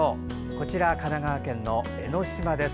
こちら、神奈川県の江の島です。